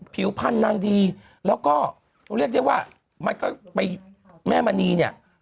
ผิวพันธ์นางดีแล้วก็เรียกได้ว่ามันก็ไปแม่มณีเนี่ย